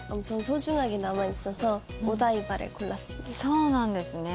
そうなんですね。